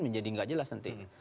menjadi nggak jelas nanti